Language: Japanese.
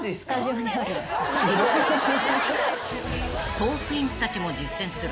［トークィーンズたちも実践する］